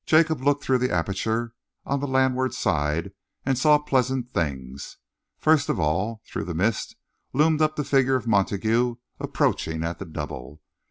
Jacob looked through the aperture on the landward side and saw pleasant things. First of all, through the mist, loomed up the figure of Montague, approaching at the double.